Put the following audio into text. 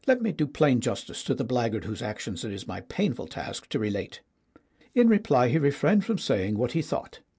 Let me do plain justice to the blackguard whose actions it is my painful task to relate. In reply he refrained from saying what he thought.